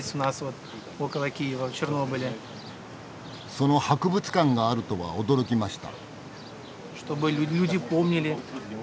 その博物館があるとは驚きました。